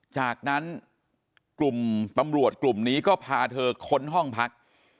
จากนั้นกลุ่มตำรวจกลุ่มนี้ก็พาเธอค้นห้องพัก